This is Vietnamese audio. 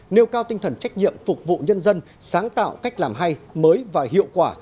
nêu cao tinh thần trách nhiệm phục vụ nhân dân sáng tạo cách làm hay mới và hiệu quả